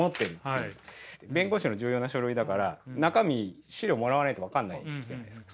弁護士の重要な書類だから中身資料もらわないと分からないじゃないですか。